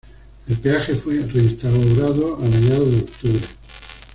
El peaje fue reinstaurado a mediados de octubre.